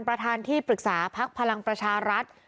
ประธานที่ปรึกษาพักพลังประชารัฐ